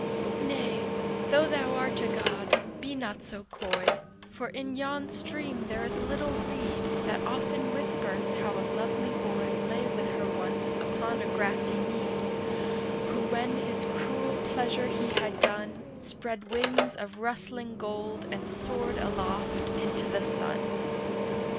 Nay, though thou art a god, be not so coy, For in yon stream there is a little reed That often whispers how a lovely boy Lay with her once upon a grassy mead, Who when his cruel pleasure he had done Spread wings of rustling gold and soared aloft into the sun.